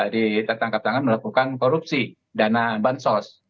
diterangkap tangan melakukan korupsi dana bansos